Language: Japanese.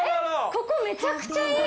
ここめちゃくちゃいい！